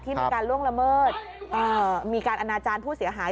มีการล่วงละเมิดมีการอนาจารย์ผู้เสียหาย